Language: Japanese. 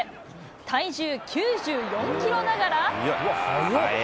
体重９４キロながら。